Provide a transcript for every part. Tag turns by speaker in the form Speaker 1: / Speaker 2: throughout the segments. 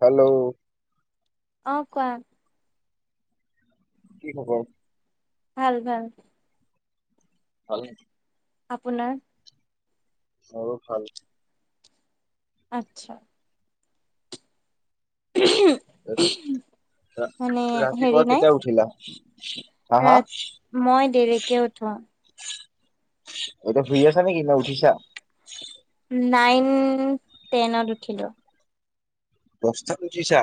Speaker 1: Hello
Speaker 2: অ' কোৱা
Speaker 1: কি খবৰ?
Speaker 2: ভাল, ভাল
Speaker 1: ভালে
Speaker 2: আপোনাৰ
Speaker 1: মোৰ ভাল,
Speaker 2: আচ্ছা মানে হেৰি
Speaker 1: ৰাতিপুৱা
Speaker 2: নাই
Speaker 1: কেতিয়া উঠিলা? হা হা
Speaker 2: ৰাত মই দেৰিকে উঠো।
Speaker 1: এতিয়া শোয় আছা নে কি না উঠিছা?
Speaker 2: নাইন টেনত উঠিলো।
Speaker 1: দচতাত ওঠিছা।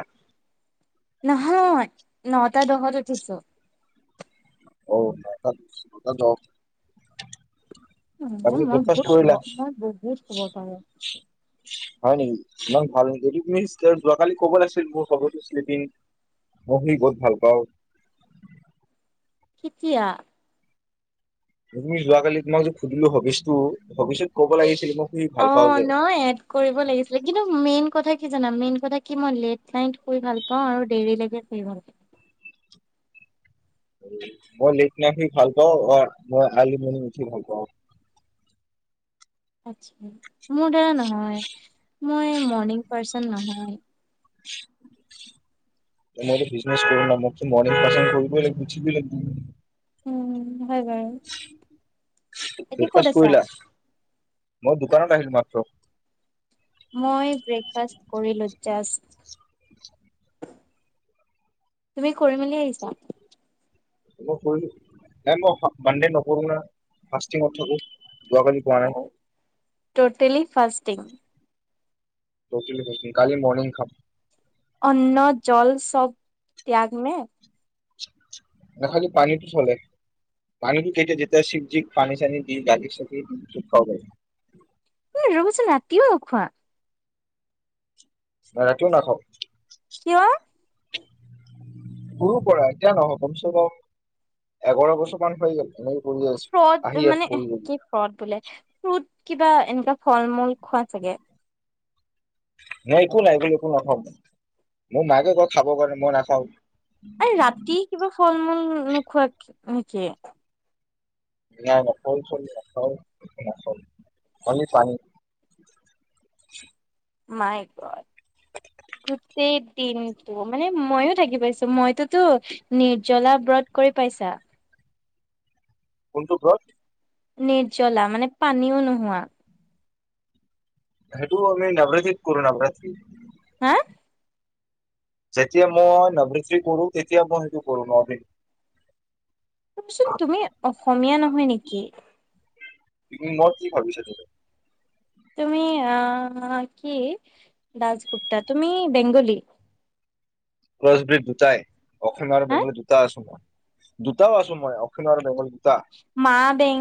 Speaker 2: নহয় নহতা দহত তঠিছো।
Speaker 1: ও [unintelligible]
Speaker 2: উম মই বহুতশোৱ মই বহুত শোৱ পাৰো।
Speaker 1: হয় নেকি ইমান ভাল নকি যদি তুমি যোৱাকালি কব লাগছিল মোৰ [unintelligible] ভাগৰ স্লিপিং ময় বহোত শোয় ভাল পাওঁ।
Speaker 2: কেতিয়া?
Speaker 1: তুমি যোৱাকালি তোমাক যে সুধিলো হোবিচটো [unintelligible]
Speaker 2: অ ন এড কৰিব লাগিছিলে কিন্তু মেইন কথা কি জানা মেইন কথা কি মই লেট নাইত মুই ভাল পাওঁ আৰু দেৰিলৈকে সুই ভাল পাওঁ।
Speaker 1: মই লেতনাইত সুই ভাল পাওঁ অ মই আৰলি মৰনিং উঠি ভাল পাওঁ।
Speaker 2: আচ্ছা। মোৰ দৰে নহয়। মই মৰ্ণিং পাৰ্চন নহয়।
Speaker 1: মই বিজনেছ কৰো ন মোক চোন মৰনিং [unintelligible] কৰিব এ লাগিব উঠিবয়ে লাগিব।
Speaker 2: উম। হয় বাৰু এতিয়া ক'ত
Speaker 1: ব্ৰেকফাষ্ট
Speaker 2: আছা?
Speaker 1: কৰিলা? মই দোকানত আহিলো মাত্ৰ।
Speaker 2: মই ব্ৰেকফাষ্ট কৰিলো জাসট তুমি কৰি মেলি আহিছা?
Speaker 1: ময় কৰিলো নাই মই মনদে নকৰো ন ফাস্টিংত থাকো। যোৱাকালি খোৱা নাই
Speaker 2: ও টোটেলি ফাস্টিং।
Speaker 1: [unintelligible] কালি মৰনিং খান।
Speaker 2: অন্ন জল চব ত্যাগ মে
Speaker 1: নহলে পানীটো চলে পানীটো কেইটা যেতিয়া শিৱজিক পানী চানি দি গাখীৰ চাখিৰ দি খাব পাৰি।
Speaker 2: তুমি চোন ৰাতিও নোখোৱা।
Speaker 1: ৰাতিও নাখাও।
Speaker 2: কিয়?
Speaker 1: সৰু পৰা এতিয়া নহয় কম চে কম এঘাৰ বছৰ মান হৈ গ'ল এ
Speaker 2: ফ্ৰুট মানে কি ফ্ৰুট বোলে ফ্ৰড কিবা এনে কোৱা ফল মূল খোৱা চাগে?
Speaker 1: নাই একো নাই এইবিলাক একো নাখাও ময় মোৰ মায়ে কই খাবৰ কাৰণে মই নাখাও।
Speaker 2: আৰু ৰাতি কিবা ফল মূল উম নোখোৱা নেকি?
Speaker 1: না না ফল চল নাখাও [unintelligible] খালি পানী।
Speaker 2: মাই গড গোটেই দিনটো মানে মইও থাকি পাইছো মইতোতো। নিৰ্জলা ব্ৰত কৰি পাইছা?
Speaker 1: কোনটো ব্ৰট?
Speaker 2: নিৰ্জলা মানে পানীও নোহোৱা।
Speaker 1: সেইটো আমি নবৰাত্ৰি কৰো নবৰাত্ৰি।
Speaker 2: হা?
Speaker 1: যেতিয়া মই নৱত্ৰ্ৰী কৰো তেতিয়া মই সেইটো কৰো নদিন।
Speaker 2: চোন তুমি অসমীয়া নহয় নেকি?
Speaker 1: মই, কি ভাবিছা তুমি?
Speaker 2: তুমি, আহ, কি? দচগুপ্তা, তুমি বেংগলি।
Speaker 1: ক্ৰছ [unintelligible] দুটাই। অসম আৰু
Speaker 2: হা
Speaker 1: বেংগলী দুটাই আছোঁ মই। দুটাও আছোঁ মই অসম আৰু বেংগলী। দুটা
Speaker 2: মা বেং,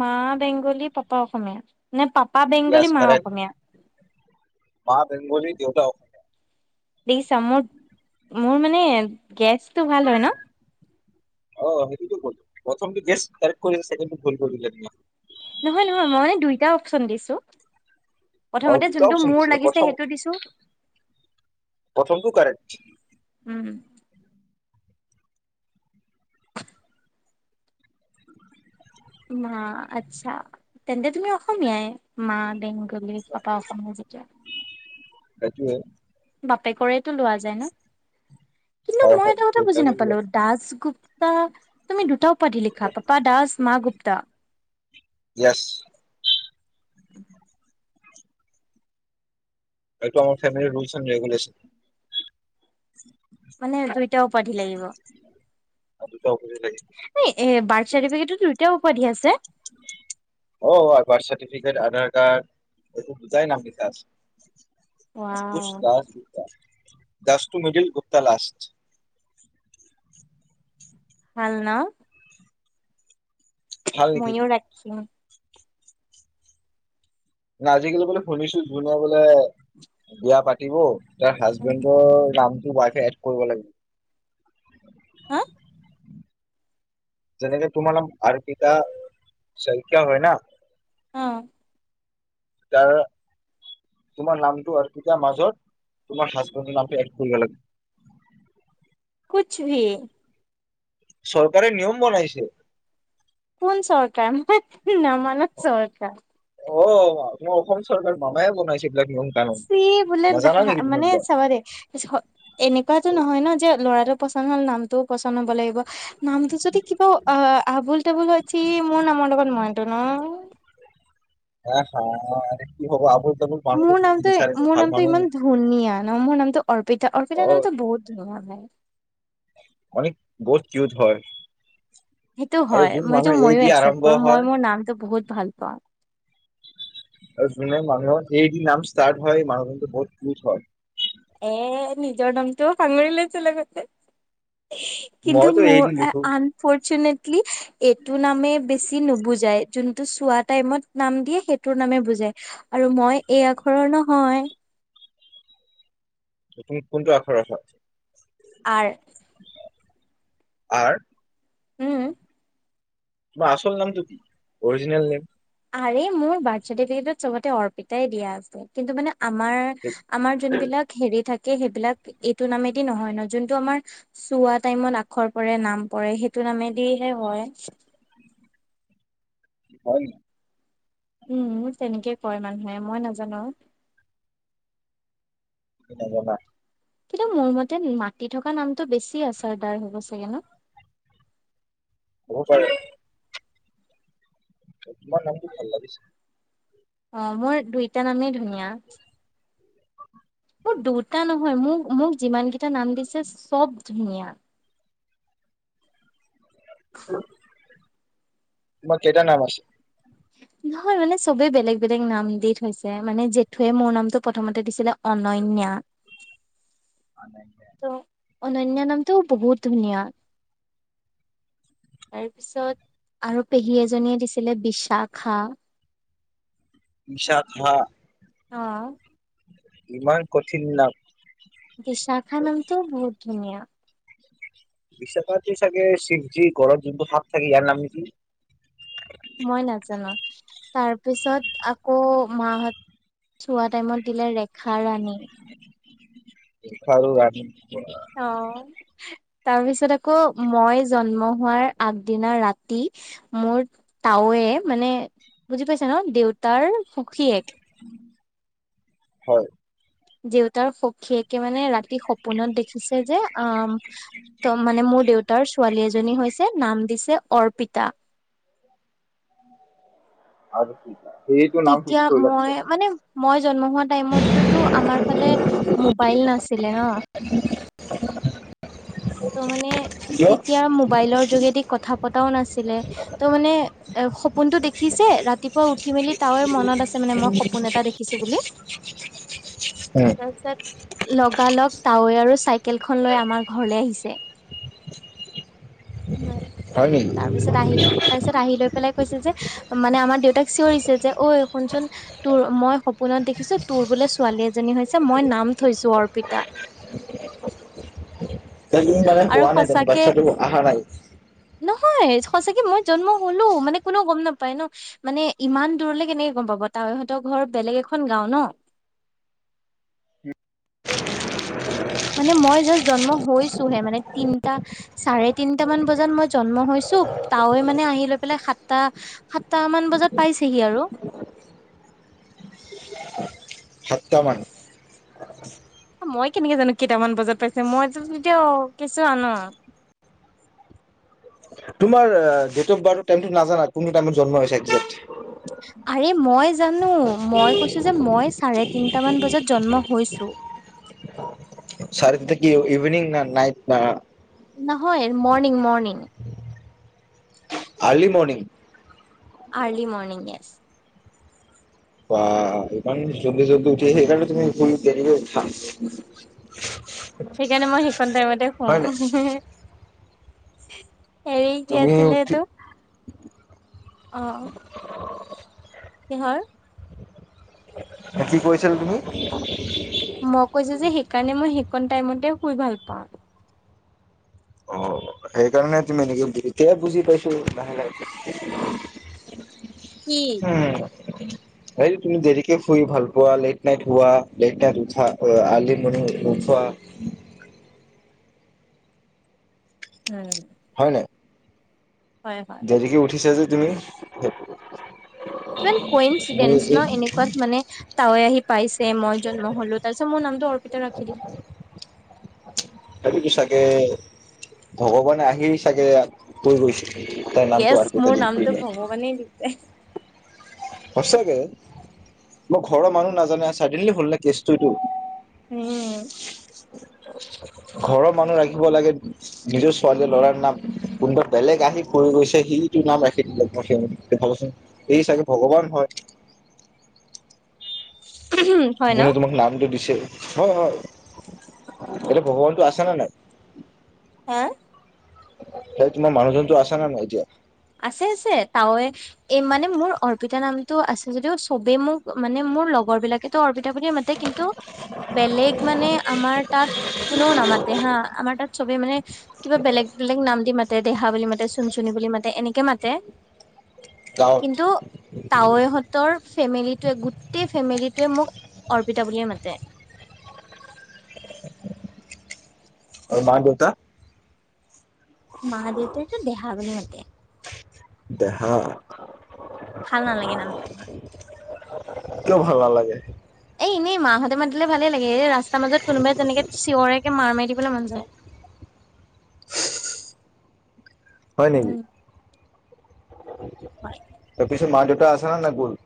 Speaker 2: মা বেং গলি, পাপা অসমীয়া? নে পাপা বেংগলী,
Speaker 1: য়াছ
Speaker 2: মা
Speaker 1: কাৰেক্ট
Speaker 2: অসমীয়া?
Speaker 1: মা বেংগলী দেউতা অসমীয়া।
Speaker 2: [inaudible] মোৰ মানে এ, গেছটো ভাল হয় ন?
Speaker 1: অ', সেইটোতো ক'লো, প্ৰথমটো গেছ কাৰেক্ট কৰিলে চেকেণ্ডটো ভুল কৰিলে তোমাক।
Speaker 2: নহয়, নহয়, মই মানে দুইটা অপচন দিছোঁ।
Speaker 1: আৰু
Speaker 2: প্ৰথমতে
Speaker 1: দুটা
Speaker 2: যোনটো
Speaker 1: অপচন
Speaker 2: মোৰ
Speaker 1: দিছিলে
Speaker 2: লাগিছে
Speaker 1: প্ৰথম
Speaker 2: সেইটো দিছোঁ।
Speaker 1: প্ৰথমটো কাৰেক্ট
Speaker 2: উম। [inaudible] মা, আচ্ছা। তেন্তে তুমি অসমীয়াই, মা বেংগ গলি, পাপা অসমীয়া যেতিয়া।
Speaker 1: সেইটোৱে।
Speaker 2: বাপেকৰে লোৱা যায় ন। কিন্তু
Speaker 1: হয়
Speaker 2: মই
Speaker 1: হয়
Speaker 2: এটা কথা বুজি
Speaker 1: দেউতাকে লোৱা
Speaker 2: নাপালো, দাস, গুপ্তা! তুমি দুটা উপাধি লিখা, পাপা দাস, মা গুপ্তা।
Speaker 1: য়েছ
Speaker 2: উম।
Speaker 1: সেইটো আমাৰ ফেমেলিৰ ৰুলছ এণ্ড ৰেগুলেচন।
Speaker 2: মানে দুইটা উপাধি লাগিব? এই
Speaker 1: [inaudible]
Speaker 2: এ, বাৰ্থ চাৰ্টিফিকেটটো দুইটাই উপাধি আছে?
Speaker 1: অ', বাৰ্থ চাৰ্টিফিকেট, আধাৰ কাৰ্ড এইটো দুটাই নাম লিখা আছে।
Speaker 2: ৱাও
Speaker 1: [unintelligible] দাস গুপ্তা। দাসটো মিডিল, গুপ্তা লাষ্ট।
Speaker 2: ভাল, ন।
Speaker 1: ভাল নেকি?
Speaker 2: ময়ো ৰাখিম।
Speaker 1: নাই, আজিকালি বোলে শুনিছো, যোনে বোলে বিয়া পাতিব তাৰ হাজবেণ্ডৰ নাম টো ৱাই-ফাই এড কৰিব লাগিব।
Speaker 2: হা?
Speaker 1: যেনেকে তোমাৰ অৰ্পিতা শইকীয়া হয় না?
Speaker 2: অ'।
Speaker 1: তাৰ, তোমাৰ নামটো অৰ্পিতাৰ মাজত, তোমাৰ হাজবেণ্ডৰ নামটো এড কৰিব লাগিব।
Speaker 2: কোচ্ ভি।
Speaker 1: চৰকাৰে নিয়ম বনাইছে
Speaker 2: কোন চৰকাৰ? ন মানত চৰকাৰ।
Speaker 1: অ' মই অসম চৰকাৰ মামায়ে বনাইছে। এইবিলাক নিয়ম কানুন।
Speaker 2: সি বোলো
Speaker 1: নাজানা নেকি তুমি
Speaker 2: মানে
Speaker 1: এইবিলাক?
Speaker 2: চাব দে এনেকুৱাতো নহয় ন যে ল'ৰাটো পচন্দ হ'ল নামটোও পচন্দ হ'ব লাগিব নামটো যদি কিবা আবুল তাবুল হৈ চি মোৰ নামৰ লগত মইটো ন
Speaker 1: এ হা কি হব আব
Speaker 2: মোৰ নামটো মোৰ নামটো ইমান ধুনীয়া ন মোৰ নামটো অৰ্পিতা
Speaker 1: অ
Speaker 2: অৰ্পিতাৰ নামটো বহুত ধুনীয়া ভাই।
Speaker 1: বহুত কিউত হয়।
Speaker 2: সেইটো
Speaker 1: আৰু
Speaker 2: হয়
Speaker 1: যোন
Speaker 2: সেইটো
Speaker 1: মানুহ এই
Speaker 2: মইয়ো
Speaker 1: দি
Speaker 2: একচেপ
Speaker 1: আৰম্ভ
Speaker 2: কৰো,
Speaker 1: হয়
Speaker 2: মই মোৰ নামটো বহুত ভাল পাওঁ।
Speaker 1: যোনে মানুহৰ এ' দ নাম ষ্টাৰ্ট হয়, মানুহ কিন্তু বহুত কিউত হয়।
Speaker 2: এ নিজৰ নামটো সামৰি লৈছে লগতে। কিন্তু
Speaker 1: মইতো এ ডি
Speaker 2: মোৰ
Speaker 1: লিখো
Speaker 2: আনফৰ্চুনেটলি এইটো নামে বেছি নুবুজাই যোনটো চোৱা টাইমত নাম দিয়ে সেইটোৰ নামে বুজাই। আৰু মই এ' আখৰৰ নহয়।
Speaker 1: সেইখিনিত কোনটো আখাৰ আছে?
Speaker 2: আৰ
Speaker 1: আৰ
Speaker 2: উম।
Speaker 1: তোমাৰ আচল নামটো কি, অৰিজিনেল নেম।
Speaker 2: আৰে মোৰ বাৰ্থ চাৰ্টিফিকেটত চবতে অৰ্পিতাই দিয়া আছে, কিন্তু মানে আমাৰ-আমাৰ যোনবিলাক হেৰি থাক এই সেইবিলাক এইটো নামেদি নহয় ন, যোনটো আমাৰ চোৱা টাইমত আখৰ পৰে নাম পৰে সেইটো নামেদিহে হয়।
Speaker 1: হয় নি
Speaker 2: উম। তেনেকেই কয় মানুহে মই নাজানো।
Speaker 1: নাজানা
Speaker 2: কিন্তু মোৰ মতে মাতি থকা নামটো বেছি আছোৰদাৰ হব চাগে ন?
Speaker 1: বহুত হয় তোমাৰ নামটো ভাল লাগিছে।
Speaker 2: অ', মোৰ দুইটা নামেই ধুনু। না মোৰ দুটা নহয় মোৰ মোক যিমান কিটা নাম দিছে চব ধুনীয়া।
Speaker 1: [inaudible] তোমাৰ কেইটা নাম আছে।
Speaker 2: নহয় মানে চবেই বেলেগ-বেলেগ নাম দি থৈছে, মানে জেঠুৱে মোৰ নামটো প্ৰথমতে দিছিলে অনন্যা। ত'
Speaker 1: [inaudible]
Speaker 2: অনন্যা নামটোও বহুত ধুনীয়া, তাৰপিছত আৰু পেহী এজনীয়ে দিছিলে বিচাখা।
Speaker 1: বিচাখা।
Speaker 2: অ'।
Speaker 1: ইমান কঠিন না
Speaker 2: বিচাখা নামটোও বহুত ধুনীয়া।
Speaker 1: [unintelligible] চাগে শিৱজী গলত যোনটো সাপ থাকে ইয়াৰ নাম কি?
Speaker 2: মই নাজানোঁ। তাৰপিছত আকৌ, মাহঁত চোৱা টাইমত দিলে ৰেখা ৰাণী।
Speaker 1: [inaudible] খালো আমি।
Speaker 2: অঁ তাৰপিছত আকৌ মই জন্ম হোৱাৰ আগদিনা ৰাতি মোৰ তাৱে মানে বুজি পাইছা ন দেউতাৰ সুখী এক
Speaker 1: হয়
Speaker 2: দেউতাৰ সখীয়েক তেওঁ মানে ৰাতি সপোনত দেখিছে যে অ ত মানে মোৰ দেউতাৰ ছোৱালী এজনী হৈছে নাম দিছে। অৰ্পিতা
Speaker 1: আৰু কি সেইটো নাম
Speaker 2: তেতিয়া
Speaker 1: ফিক্স কৰিলা
Speaker 2: মই,
Speaker 1: পিছত
Speaker 2: মানে মই জন্ম হোৱা টাইমতটোতো আমাৰ ফালে মোবাইল নাছিলে ন? ত' মানে
Speaker 1: কিয়
Speaker 2: তেতিয়া মোবাইলৰ যোগেদি কথা পতাও নাছিলে, ত' মানে সপোনটো দেখিছে, ৰাতিপুৱা উঠি মেলি তাৱৈৰ মনত আছে মানে মই সপোন এটা দেখিছোঁ বুলি,
Speaker 1: উম
Speaker 2: তাৰপিছত লগা লগ তাৱৈ আৰু চাই কেলখন লৈ আমাৰ ঘৰলৈ আহিছ [inaudible]
Speaker 1: হয় নেকি
Speaker 2: তাৰ পিছত আহি, তাৰ পিছত আহি লৈ পেলাই কৈছে যে, মানে আমাৰ দেউতাক চিঞৰিছে যে ঐ শুনচোন, তোৰ মই সপোনত দেখিছো তোৰ বোলে ছোৱালী এজনী হৈছে, মই নাম থৈছো অৰ্পিতা।
Speaker 1: [unintelligible] কোৱা নাই
Speaker 2: আৰু
Speaker 1: তামানে,
Speaker 2: সঁচাকে
Speaker 1: বাচ্ছাটো আহা নাই?
Speaker 2: নহয়, সঁচাকে মই জন্ম হলো, মানে কোনেও গম নেপায় ন? মানে ইমান দূৰলে কেনেকে গম পাব, তাৱৈহঁতৰ ঘৰ বেলেগ এখন গাওঁ ন? মানে মই জাষ্ট জন্ম হৈছোহে মানে, তিনটা চাৰে তিনটা মান বজাত মই জন্ম হৈছো, তাৱৈ মানে আহি লৈ পেলাই সাতটা সাতটা মান বজাত পাইছেহি আৰু।
Speaker 1: সাতটামান
Speaker 2: মই কেনেকে জানো কেইটামান বজাত পাইছে, মইতো তেতিয়া কেঁচুৱা ন?
Speaker 1: তোমাৰ ডেট অফ বাৰ্থটো টাইমটো নাজানা কোনটো টাইমত জন্ম হৈছা একজেক্ট
Speaker 2: হাতত ৰে মই জানো, আৰু মই কৈছো যে মই চাৰে তিনটা মান বজাত জন্ম হৈছো।
Speaker 1: চাৰে তিনটা কি ইভিনিং না নাইট [unintelligible]
Speaker 2: নহয়, morning morning.
Speaker 1: Early morning.
Speaker 2: Early morning yes.
Speaker 1: বাহ্ ইমান জল্দি জল্দি উঠি সেইকাৰণে তুমি শুই দেৰিকে উঠা।
Speaker 2: সেইকাৰণে মই সেইকন টাইমতে শু
Speaker 1: হয় নাই
Speaker 2: [unintelligible] হেৰি কি
Speaker 1: তুমি
Speaker 2: আছিলে
Speaker 1: উঠি
Speaker 2: এটো? অ' কিহৰ?
Speaker 1: কি কৈছিল তুমি?
Speaker 2: মই কৈছো যে সেইকাৰণে মই শি কন টাইমতে শুই ভাল পাওঁ।
Speaker 1: অ সেইকাৰণে তুমি এনেকে দেৰিকে বুজি পাইছো লাহে, লাহে,
Speaker 2: কি
Speaker 1: উম। ‌‌হেই তুমি দেৰিকে শুই ভাল পোৱা লেট নাইট শুৱা লেট নাইট উঠা, আৰ্লি মৰ্ণিং নুউঠোৱা।
Speaker 2: উম।
Speaker 1: হয় নাই?
Speaker 2: হয় হয়
Speaker 1: দেৰিকে উঠিছা যে। তুমি
Speaker 2: কিমান ক ইচিডেনচ্ ন এনেকুৱাত মানে তাৱৈ আহি পাইছে মই জন্ম হলো তাৰ পিছত মোৰ নামটো অৰ্পিতা ৰাখি দিল
Speaker 1: তাপিতো চাগে ভগৱানে আহি চাগে কৈ গৈছিল।
Speaker 2: ইএচ মোৰ নামটো ভগৱানে দিছে।
Speaker 1: সচাঁকে মই ঘৰৰ মানুহ নাজানে চাদেনলী হ'ল ন কেচটো এইটো
Speaker 2: উম
Speaker 1: ঘৰৰ মানুহ ৰাখিব লাগে নিজৰ ছোৱালী ল'ৰাৰ নাম কোনোবা বেলেগ আহি থ গৈছে সিটো নাম ৰাখি দিলে ভাবচোন এই চাগে ভগৱান হয়।
Speaker 2: হয় ন
Speaker 1: যোনে তোমাক নামটো দি হয় হয় এয়া ভগৱান টো আছা নে নাই।
Speaker 2: হা
Speaker 1: সেই তোমাৰ মানুহজনতো আছা নে নাই এতিয়া
Speaker 2: আছে আছে তাৱে এই মানে মোৰ অৰ্পিতা নামটো আছে যদিও চবে মোক মানে মোৰ লগৰ বিলাকেতো অৰ্পিতা বুলিয়ে মাতে কিন্তু বেলেগ মানে আমাৰ তাত কোনেও নামাতে হা আমাৰ তাত চবে মানে কিবা বেলেগ বেলেগ নাম দি মাতে দেহা বুলি মাতে চুন চুনি বুলি মাতে এনেকে মাতে।
Speaker 1: গাঁৱত
Speaker 2: কিন্তু তাৱৈহঁতৰ ফেমিলি গোটেই ফেমিলি তোৱে মোক অৰ্পিতা বুলিয়ে মাতে।
Speaker 1: আৰু মা, দেউতা?
Speaker 2: মা দেউতাটো দেহা বুলি মাতে।
Speaker 1: দেহা।
Speaker 2: ভাল নালাগে নামটো ইমান
Speaker 1: [inaudible] কিয় ভাল নালাগে?
Speaker 2: এই এনেই মাহঁতে মাতিলে ভালে লাগে এই ৰাছ তাৰ মাজত কোনোবাই যেনেকে চিঞৰে একে মাৰ মাৰি দিবলৈ মন যায়।
Speaker 1: [inaudible] হয় নেকি।
Speaker 2: উম হয়
Speaker 1: তাৰ পিছত মা দেউতা আচে নে গ'ল